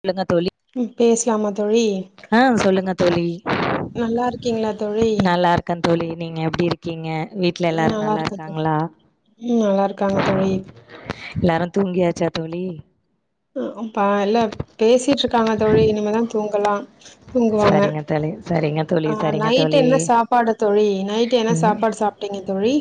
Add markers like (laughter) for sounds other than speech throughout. உங்களதா தோழி ம் பேசலாமா தோழி ஆ சொல்லுங்க தோழி நல்லா இருக்கீங்களா தோழி க தோழி நீங்க எப்டி இருக் கீங்க வீட்ல ஆ எல்லாரு நல்லா இருக்கே தோழி இருக்காங்களா ம் நல்லா இருக்காங்க தோழி எல்லாரு தூங்கியாச்சா தோழி அக்காப்பா இல்ல பேசிட்டு இருக்காங்க தோழி இனிமேதா தூங்கலா தூங்குவாங்க சரிங்க தோழி சரிங்க தோழி சரிங்க நைட் தோழி என்ன சாப்பாடு தோழி நைட்டு என்ன சாப்பாடு சாப் ட்டிங்க தோழி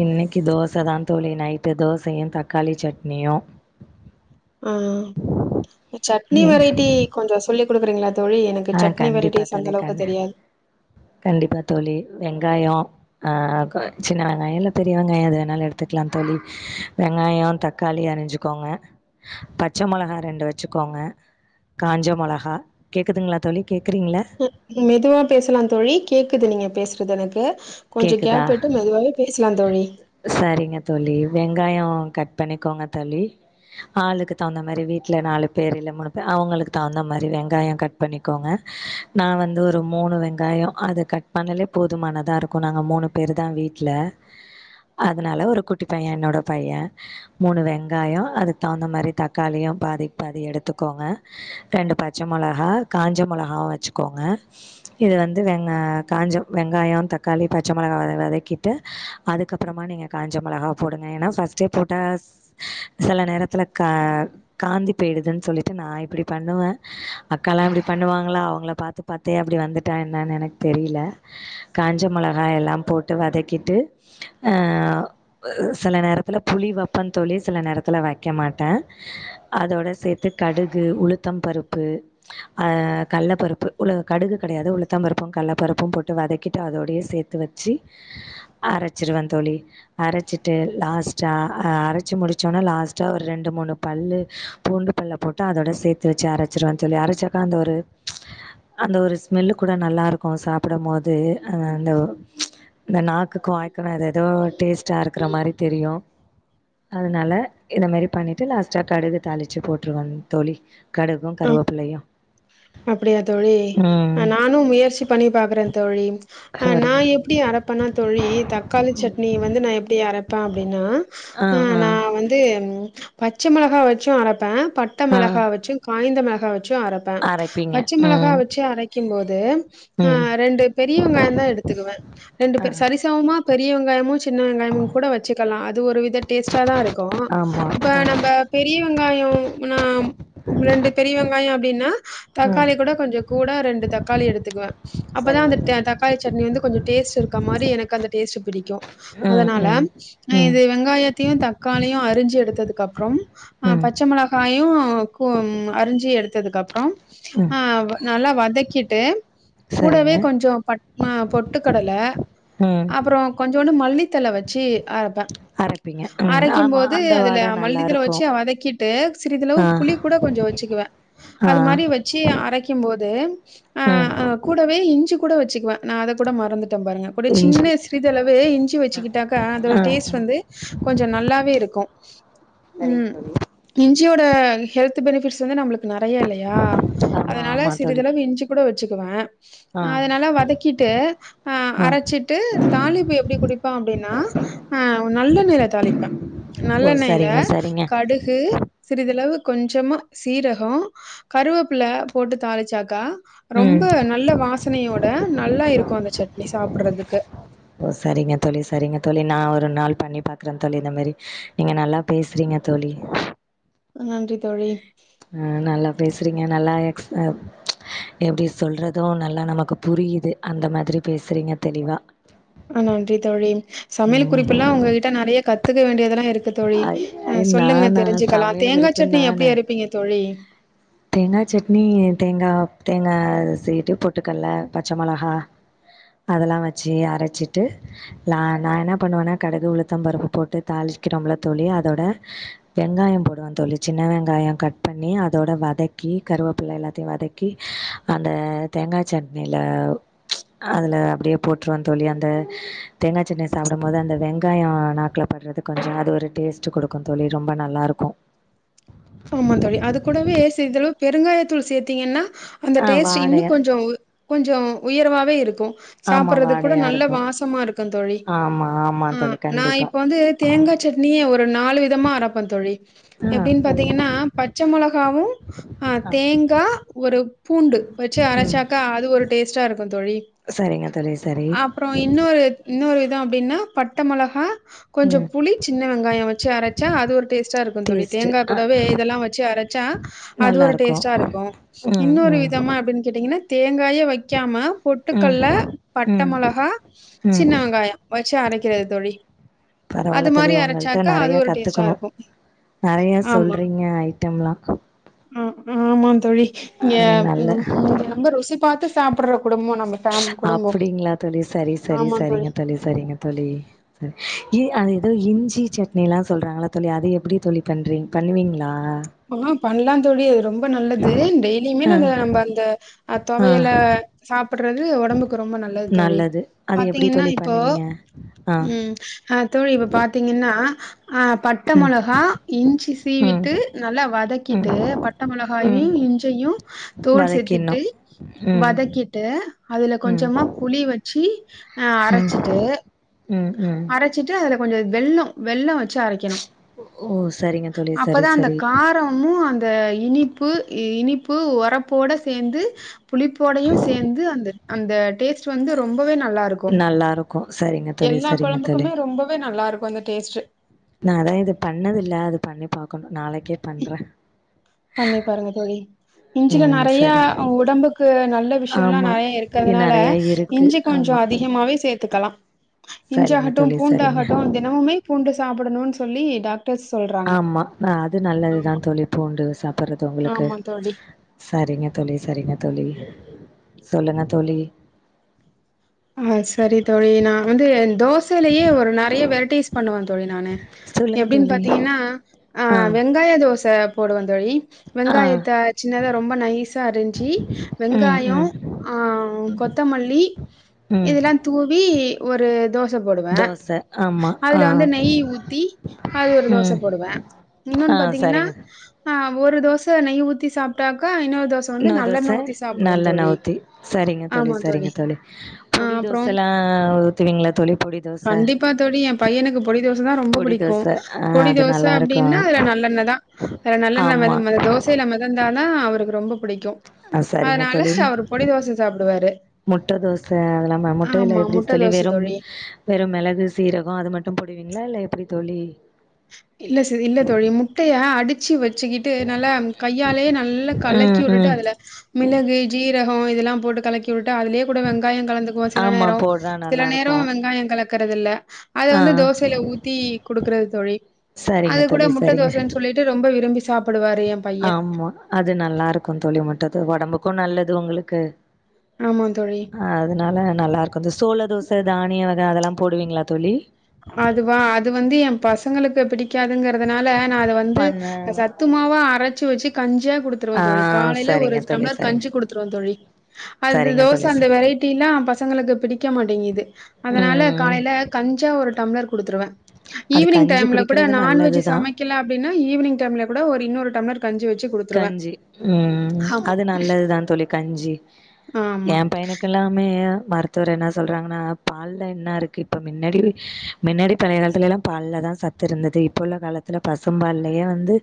இன்னைக்கி தோசதா தோழி நைட்டு தோசயு தக்காளி சட்னியு உ சட்னி நீங்க வெரைட்டி கொஞ்ச சொல்லி குடுக்குறீங்களா தோழி எனக் ஆ சட்னி கண்டிப்பா வெரைட்டிஸ் அந்த தோழி அளவுக்கு கண் தெரியாத் கண்டிப்பா தோழி வெங்காயோ ஆ சின்னவெங்காயோ இல்ல பெரியவெங்காயோ எதுவேணாலு எடுத்துக்ளா தோழி வெங்காயோ தக்காளி அரிஞ்சுக்கோங்க பச்ச மிளகா ரெண்டு வெச்சுக்கோங்க காஞ்ச மொளகா கேக்குதுங்களா தோழி கேக்றீங்கள மெதுவா பேசலா தோழி கேக்குது நீங்க பேசுறது எனக்கு கொஞ்ச கேட்குதா கேப் விட்டு மெதுவாவே பேசலா தோழி சரிங்க தோழி வெங்காயோ கட் பண்ணிக்கோங்க தோழி ஆளுக்கு தகுந்த மாரி வீட்ல நாலு பேர் இல்ல மூணு பேர் அவுங்களுக்கு தகுந்த மாரி வெங்காயோ கட் பண்ணிக்கோங்க நா வந்து ஒரு மூணுவெங்காயோ அது கட் பண்ணாலே போதுமானதா இருக் நாங்க மூணு பேரு தா வீட்ல அதனால ஒரு குட்டி பையெ என்னோட பையெ மூணு வெங்காயோ அதுக்கு தகுந்த மாரி தக்காளியு பாதிக்பாதி எடுத்துக்கோங்க ரெண்டு பச்ச மொளகா காஞ்ச மொளகா வச்சுக்கோங்க இது வந்து வெங்க காஞ்ச வெங்காயோ தக் காளி பச்ச மொளகா வதக்கிட்டு அதுக்கப்புறமா நீங்க காஞ்ச மொளகா போடுங்க ஏனா ஃபஸ்ட்டே போட்டா சில நேரத்துல கா காந்தி போயிடுதுன்னு சொல்லிட்டு நா இப்புடி பண்ணுவே அக்காலா இப்டி பண்ணுவாங்களா அவங்கள பாத்து பத்தே அப்டி வந்துட்டா என்னான்னு எனக்கு தெரியில காஞ்ச மொளகா எல்லா போட்டு வதக்கிட்டு அ சில நேரத்துல புளி வெப்ப தோழி சில நேரத்துல வெக்க மாட்டே அதோட சேத்து கடுகு உளுத்தம் பருப்பு அ கள்ள பருப்பு உ கடுகு கெடையாது உளுத்தம் பருப்பு கள்ள பருப்பு போட்டு வதக்கிட்டு அதோடய சேத்து வச்சு அரைச்சிருவந்தோழி அரைச்சிட்டு லாஸ்டா அரைச்சு முடிச்சோனா லாஸ்ட்டா ஒரு ரெண்டு மூணு பல்லு பூண்டு ப்பல்ல போட்டு அதோட சேத்து வெச்சு அரைச்சிருவ சொல்லி அரைச்சாக்கா அந்த ஒரு அந்த ஒரு ஸ்மெல்லு கூட நல்லா இருக்கு சாப்பிடும் போது அ அந்த இந்த நாக்குக்கு வாய்க்கு ஏதெ ஏதோ டேஸ்ட்டா இருக்கிற மாரி தெரியு அதனால இந்த மாரி பண்ணிட்டு லாஸ்ட்டா கடுகு தாளிச்சு போட்டுருவன் தோழி கருவேபிள்ளையு அப்புடியா தோழி நானு முயற்சி பண்ணி பாக்குறே தோழி ஆ நா சரிங்க தோழி எப் டி அரப்பேனா தோழி தக்காளி சட்னி வந்து நா எப்டி அரைப்பே அப்டின்னா ஆ நா வந்து பச்ச மிளகா வெச்சு அரப்பே பட்ட ஆ மெளகா வெச்சு காய்ந்த மெளகா வெச்சு அரப் ப அரைப்பீங்க பச்ச மெளகா ம் வெச்சு அரைக்கும் போது ஆ ம் ரெண்டு பெரிய வெங்காயந்தா எடுத்துக்குவே ரெண்டு ஆ பேர் சரிச மமா பெரிய வெங்காயமு சின்ன வெங்காயமு கூட வெச்சுக்கலா அது ஒரு வித டேஸ்டா தா இருக் க்கு ஆமா இப்ப ஆ நம்ப பெரிய வெங்காயோ ஆனா ரெண்டு பெரிய வெங்காயோ அப்டின்னா ம் தக்காளி கூட கொஞ்ச கூட ரெண்டு தக்காளி எடுத்துக்குவே அப்தா சரிங்க அந்த தோழி தக்காளி சட்னி வந்து கொஞ்ச டேஸ்ட் இருக்க மாரி எனக்கு அந்த டேஸ்ட் பிடிக்கு ம் அதனால ம் ம் இது வெங்காயத் த்தியு தக்காளியு அரிஞ்சி எடுத்துக்கு அப்புறம் அ ம் பச்ச மொளகாயு போம் அரிஞ்சி எடுத்ததுக்கு அப்புறோ ம் ஆ நல்லா வதக்கிட்டு சரிங்க கூடவே கொஞ்சோ பட்ம பொட்டுக்கடல அ அப்புறோ கொஞ்சோண்டு மல்லித்தல வச்சி ஆப் த அரைப்பீங்க ம் அரைக்கு ஆமா போது அந்த அதுல வாட மல்லித்தல நல்லாருக்கு வச்சி வதக்கிட்டு சிறிதளவு ஆ புளி கூட கொஞ்சோ வச்சுக்குவே ஆ அது மாரி வச்சி அரைக்கு போது ஆ ம் அ கூடவே இஞ்சி கூட வச்சுக்குவே நா அத கூட மறந்து ட பாருங்க கூட சின்ன இஞ்சி சிறிதளவு இஞ்சி வச்சிக்கிட்டாக்கா அதோட ஆ டேஸ்ட் வந்து கொஞ்ச நல்லாவே இருக்கு சரிங்க ம் தோழி இஞ்சியோட ஹெல்த் பெனிஃபிட்ஸ் வந்து நம்மளுக்கு நெறைய இல்லயா ஆமா அதனால ஆமா தோழி சிறிதளவு இஞ்சு கூட வச்சுக்குவே ஆ அதனால வதக்கிட்டு அ ஆ அரச்சிட்டு தாளிப்பு எப்பிடி குடிப்பா அப்டின்னா ஆ நல்லெண்ணெயில தாளிப்பே ஓ நல்லெண்ணெய்ல சரிங்க சரிங்க கடுகு சிறிதளவு கொஞ்சமா சீரகோ கருவேப்பிள்ள போட்டு தாளிச்சாக்கா ம் ரொம்ப நல்ல வாசனையோட நல்லா இருக்கு அந்த சட்னி சாப்பிறதுக்கு ஓ சரிங்க தோழி சரிங்க தோழி நா ஒரு நாள் பண்ணி பாக்கற தோழி இந்த மேரி நீங்க நல்லா பேசிறீங்க தோழி அ நன்றி தோழி அ நல்லா பேசிறீங்க நல்லா எக்ஸ் அ எப்டி சொல்றதோ நல்லா நமக்கு புரியிது அந்த மாரி பேசிறீங்க தெளிவா ஆ நன்றி தோழி சமையல் குறிப்புல்லா ம் உங்ககிட்ட நெறைய கத்துக்க வேண்டியதெல்லா இருக்கு தோழி ஐ அ ஐ சொல்லுங்க நானா தெரிஞ்சிக்கலா சமையல் தேங்கா குறிப்பு சட்னி எப்டி அரபீங்க தோழி தேங்கா சட்னி தேங்கா தேங்கா சீட்டு பொட்டுக்கல பச்ச மொளகா அதெல்லா வச்சி அரச்சிட்டு லா நா என்ன பண்ணுவேன்னா கடுகு உளுத்தம் பருப்பு போட்டு தாளிக்கிரோம்ல்ல தோழி அதோட வெங்காயோ போடுவே தோழி சின்ன வெங்காயோ கட் பண்ணி அதோட வதக்கி கருவேப்பிள்ள எல்லாத்தியு வதக்கி அந்த தேங்கா சட்னியில அதுல அப்டியே போட்டுருவ தோழி அந்த தேங்கா சட்னிய சாப்பிடு போது அந்த வெங்காயோ நாக்குலபடறது கொஞ்சோ அது ஒரு டேஸ்ட்டு குடுக்கு தோழி ரொம்ப நல்லாருக்கு ஆமா தோழி அது கூடவே சிறிதளவு பெருங்காயத்தூள் சேத்தீங்கன்னா அந்த ஆ டேஸ்ட் இன்னு வாடையாக கொஞ்சோ கொஞ்சோ உயர்வாவே இருக்கு ஆமாம் சாப்பறதுக்கு கூட வாடையாக நல்ல இருக்கும் வாசமா இருக்கு தோழி ஆமா ஆமா ஆ தோழி நா கண்டிப்பா இப்ப வந்து தேங்கா சட்னியே ஒரு நாலு விதமா அரப்ப தோழி ஆ சொல்லுங்க எப்டின் பாத்தீங்கன் னா தோழி பச்ச மொளகாவு ஆ தேங்கா ஒரு பூண்டு வச்சி ம் அரச்சாக்கா அது ஒரு டேஸ்ட்டா இருக்கு தோழி சரிங்க தோழி சரி ப்புறோ இன்னொரு இன்னொரு விதம் அப்டின்னா பட்ட மொளகா கொஞ்ச ம் புளி சின்ன வெங்காயோ வச்சி அரச்சா அது ஒரு டேஸ்ட்டா இருக்கு தோழி டேஸ்ட்டு தேங்கா ஆ பே இதெல்லா வச்சி அரச்சா அது ஒரு நல்லாருக்கு டேஸ்டா இருக்கு ம் இன்னொரு ம் விதமா ஆ அப்டின் கேட்டீங்கன்னா தேங்காயே வைக்காம ம் பொட்டுக்கல்ல பட்ட ம் மொளகா ம் சின்ன வெங்காயோ வச்சி அரைக்கிறது தோழி பரவால்ல அது தோழி மாரி அரச்சாக்கா அது ஒரு டேஸ்ட்டா இருக்கு நெறைய சொல்றீங்க ஐட்டம்ல்லாக்கு அ ஆமா தோழி இங்க அது நல்ல (inaudible) ரொம்ப ருசி பாத்து சாப்ட்ற குடும்போ நம்ப அப்டிங்களா தோழி சரி சரி சரிங்க தோழி சரிங்க தோழி சரி அது ஏதோ இஞ்சி சட்னி எல்லா சொல்றாங்களா தோழி அது எப்டி தோழி பண்றீங் பண்ணுவீங்களா ஆ பண்லா தோழி அது ரொம்ப நல்லது டெய்லியுமே அத ஆ நம்ம அந்த ஆ தொவையல சாப்டுறது ஒடம்புக்கு ரொம்ப நல்ல நல்லது தோழி அது எப்டி பாத்தீங்ன்னா தோழி இப்போ பண்ணுவீங்க ஆ ம் அ தோழி இப்ப பாத் பத்தீங்கன்னா அ பட்ட ம் மொளகா இஞ்சி ம் சீவிட்டு நல்லா ம் வதக்கிட்டு பட்ட மொளகாயையு ம் இஞ்சையு தோல் வதக்கிட்ணு செத்திட்டு ம் வதக்கிட்டு அதுல ம் கொஞ்சமா புளி வச்சு அ ம் அரச்சிட்டு ம் ம் அரச்சிட்டு அதுல கொஞ்ச வெல்லோ வெல்லொ வச்சு அரைக்குணு ஓ சரிங்க தோழி சரி அப்பதா அந்த சரி கா காரமு அந்த இனிப்பு இனிப்பு ஒரப்போட சேந்து புளிப்போடையு சேந்து அந்த அந்த டேஸ்ட் வந்து ரொம்பவே நல்லாருக்கு நல்லா இருக்கு சரிங்க தோழி எல்லா சரிங்க தோழி கொழம்புக்குமே ரொம்பவே நல்லா இருக்கு அந்த டேஸ்ட்டு நா அதா இது பண்ணது இல்ல அது பண்ணி பாக்கணு நாளைக்கே பண்றே பண்ணி பாருங்க தோழி இஞ்சில ம் நெறையா சரி உடம்புக்கு நல்ல விஷயல்லா ஆமா நெறையா இருக்கறதுனால நெறையா இருக்கு இஞ்சி கொஞ்சொ ஆமா அதிகமாவே சேத்துக்கலா சரிங்க இஞ்சாகட்டு தோழி பூண்டாகட்டு சரிங்க தினமுமே பூண்டு சாப்புடணும்ன்னு சொல்லி டாக் ட்ட சொல்றா ஆமா அது நல்லதுதா தோழி பூண்டு சாப்புட்றது உங்களுக்கு ஆமா தோழி சரிங்க தோழி சரிங்க தோழி சொல்லுங்க தோழி ஆ சரி தோழி நா வந்து தோசையிலேயே ஒரு நெறைய வெரைட்டிஸ் பண்ணுவ தோழி நானு சொல்லுங்க எப்டின்னு தோழி பாத்தீங்ன்னா அ ஆ வெங்காய தோச போடுவெ தோழி ஆ வெங்காயத்த சின்னதா ரொம்ப நைஸா அரிஞ்சி ம் வெங்காயோ ம் ஆ கொத்தமல்லி ம் இதெல்லா தூவி ஒரு தோ தோச போடுவே தோச ஆமா அதுல ஆ வந்து நெய் ஊத்தி அது ஒரு தோச ம் போடுவே ஆ இன்னொன்னு பாத்தீங்கன்னா சரிங்க ஆ ஒரு தோச நெய் ஊத்தி சாப்ட்டாக்கா இன்னொரு தோச வந்து இன்னொரு தோச நல்லெண்ண ஊத்தி சாப்டுவெ நல்லெண்ண தோழி ஊத்தி சரிங்க ஆமா சரிங்க தோழி அ பொடி அப்ரோ தோசல்லா ஊத்துவீங்களா தோழி பொடி தோச கண்டிப்பா தோழி எ பையனுக்கு பொடி தோச தான ரொம்ப பொடி புடிக் கு தோச ஆ பொடி அது தோச நல்லாருக்கு அப்டின்னா அதுல நல்லெண்ண தா அதுல நல்லெண்ண ஆமா (unintelligible) அந்த தோ சையில மிதந்தாதா அவருக்கு ரொம்ப பிடிக்கு ஆ சரிங்க அதனால தோழி அவரு பொடி தோச சாப்டுவாரு முட்ட தோச அது இல்லாம முட்டையில எப்டி முட்ட சொல்லி தோச வெறும் தோழி. வெறும் மிளகு சீரகோ அது மட்டு போடுவீங்களா இல்ல எப்டி தோழி இல்ல ச இல்ல தோழி மு முட்டய அடிச்சு வச்சுக்கிட்டு நல்லா கையாலேயே நல்லா கலக்கி ம் விட்டுட்டு ம் அதுல மிளகு ஜீரகோ இதெல்லா போட்டு கலக்கி விட்டு அதுலயே கூட வெங்காயோ கலந்துக்குவோ சில ஆமா நேரோ போடுறா சில நேரோ நல்லாருக்கு வெங்காயோ கலக்கறது இல்ல அத ஆ வந்து தோசையில ஊத்தி குடுக்குறது தோழி அது சரிங்க கூட தோழி முட்ட சரிங்க தோசைனு சொல்லிட்டு ரொம்ப விரும்பி சாப்டுவாரு எம் ஆமா அது நல்லா இருக்கு தோழி முட்டது ஒடம்புக்கு நல்லது உங்ளுக்கு ஆமா தோழி அ அதனால நல்லா இருக்கும் அந்த சோள தோசை தானியம் வகை அதெல்லாம் போடுவீங்களா தோழி அதுவா அது வந்து என் பசங்களுக்கு பிடிக்காதுங்கிறதுனால நான் அத வந்து பண்ண சத்துமாவா அரைச்சு வச்சு கஞ்ச ஆ குடுத்துருவோம் தோழி காலையில ஒரு சரிங்க தோழி டம்ளர் சரிங்க கஞ்சி குடுத்துருவோம் தோழி அது சரிங்க தோசை தோழி அந்த ச வெரைட்டி எல்லாம் பசங்களுக்கு பிடிக்க மாட்டேங்குது அதனால ம் காலையில கஞ்சா ஒரு டம்ளர் கொடுத்துருவேன் அது ஈவினிங் கஞ்சி டைம்ல கூட குடிக்கிறது நான்வெஜ் நல்லதுதா சமைக்க ல அப்படின்னா ஈவினிங் டைம்ல கூட ஒரு இன்னொரு டம்ளர் கஞ்சி வச்சு குடுத்துருவே கஞ்சி ம் ஆமா அது நல்லதுதான் தோழி கஞ்சி ஆமா என் பையனு கெல்லாமே மருத்துவர் என்ன சொல்றாங்கன்னா பால்ல என்ன இருக்கு இப்ப மின்னாடி மின்னாடி பழைய காலத்துலலாம் பால்ல தான் சத்து இருந்தது இப்போ உள்ள காலத்தில பசும் பால்லயா வந்து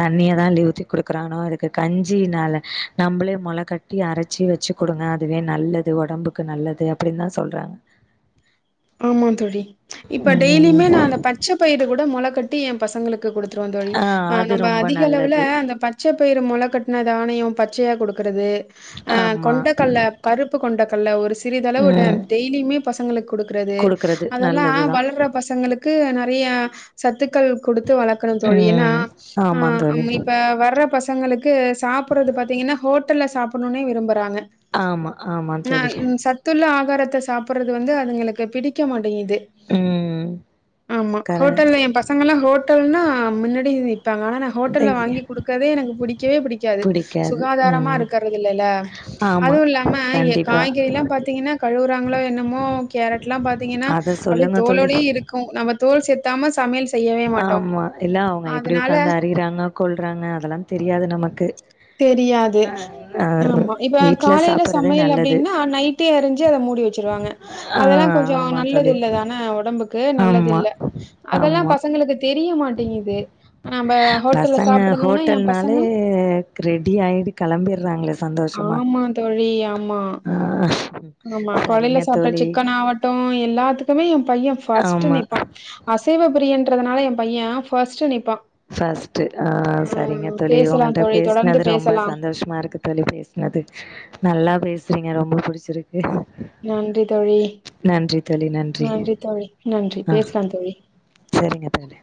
தண்ணிய தான் லிவ் குடுக்குறானோ அதுக்கு கஞ்சினால நம்மளே மொள கட்டி அரைச்சி வச்சு குடுங்க அதுவே நல்லது உடம்புக்கு கு நல்லது அப்படின்னு தான் சொல்றாங்க ஆமா தோழி இப்ப டெய்லியுமே நான் அந்த ம் பச்சை பயிற கூட மொள கட்டி என் பசங்களுக்கு கொடுத்து ருவேன் தோழி ஆ அது நம்ம ரொம்ப அதிக அளவுல நல்லது அந்த பச்சை பச்சை பயிர மொள கட்டினா தானியம் பச்சையா கொடுக்குறது ஆ ஆமா கொண்டக்கல்ல பருப்பு கொண்டக்கல்ல ஒரு சிறிதளவு ட ம் டெய்லியுமே பசங்களுக்கு குடுக்கறது குடுக்குறது அதெல்லாம் நல்லதுதா வளர்ற பசங்களுக்கு நெறையா சத்துக்கள் குடுத்து வளர்க ணும் தோழி ஏன்னா ம் ஆ ஆமா தோழி அம் இப்ப வர பசங்களுக்கு சாப்பிடுறது பாத்தீங்கன்னா ஹோட்டல்ல சாப்பிடணும்னே விரும்புறாங்க ஆமா ஆமா ஆ தோழி சத்துள்ள ஆகாரத்தை சாப்பிடுறது வந்து அதுங்களுக்கு பிடி டிக்க மாட்டேங்கிது ம் ஆமா கர ஹோட்டல்ல என் பச ங்கல்லாம் ஹோட்டல்ன்னா முன்னாடி நிப்பாங்க ஆனால் நான் ஹோட்டல்ல தைக்க வாங்கி குடுக்கறதே எனக்கு பிடிக்கவே பிடி க்காது புடிக்காது சுகாதாரமா ம் இருக்கிறது இல்லல ஆமா அதுவும் இல்லாம கண்டிப்பா காய்கறி எல்லாம் பாத்தீங்கன்னா கழுவுறாங்களோ என்னமோ கேரட் எல்லாம் பாத்தீங்கன்னா அத அப்படியே சொல்லுங்க தோழி தோலோட இருக்கு ம் நம்ம தோல் சேக்காம சமையல் செய்யவே மாட்டோ ஆமா என்னா அவங்க எப்படி அதனால உட்காந்து அரியிறாங்க கொல்றாங்க அதெல்லாம் தெரியாது நமக்கு தெரியாது ஆ ஆமா இப்ப வீட்ல காலையில சாப்பறதே சமையல் நல்லது அப்படின்னா நைட் டி அரிஞ்சு அதை மூடி வச்சிருவாங்க ஆ அதெல்லாம் கொஞ்சம் ஆமா நல்லது தோழி இல்லதானே உடம்புக்கு நல்லது ஆமா இல்ல அதெல்லாம் ஆமா பசங்களுக்கு தெரிய மாட்டேங்குது நம்ப ஹோட்டல்ல பசங்க சாப்பிடணும்னா என் ஹோட்டல்னாலே பசங்க ரெடி ஆயிட்டு கெளம்பிறாங்க ஆமா தோழி ஆமா ஆ ஆமா காலைல சரிங்க சாப்ட தோழி சிக்கனா மட்டும் எல்லாத்துக்குமே என் பையன் ஃபர்ஸ்ட்டு ஆமா நிப்பான் அசைவ பிரியன்றதுனால என் பையன் பர்ஸ்ட்டு நிப்பான் ஃபர்ஸ்ட்டூ ஆ சரிங்க தோழி பேசலா உங்கள்ட தோழி தொடர்ந்து பேசுனது ரொம்ப சந் பேசலாம் சந்தோஷமா இருக்கு தோழி பேசுனது நல்லா பேசுறீங்க ரொம்ப புடிச்சிருக்கு நன்றி தோழி நன்றி தோழி நன்றி தோழி நன்றி பேசலாம் தோழி சேரிங்க தோழி